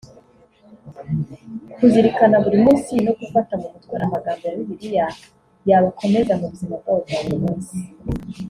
kuzirikana buri munsi no gufata mu mutwe amagambo ya bibiliya yabakomeza mu buzima bwabo bwa buri munsi